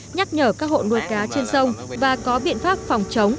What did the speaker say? nhắc nhở các hộ nuôi cá trên sông và có biện pháp phòng chống